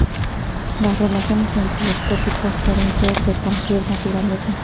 Las relaciones entre los tópicos pueden ser de cualquier naturaleza.